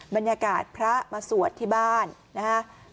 บรรยากาศพระมาสวดที่บ้านนะฮะ